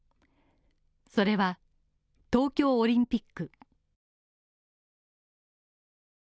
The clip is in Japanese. それは、東京オリンピック。